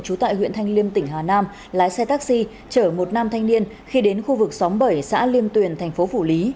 trú tại huyện thanh liêm tỉnh hà nam lái xe taxi chở một nam thanh niên khi đến khu vực xóm bảy xã liêm tuyền thành phố phủ lý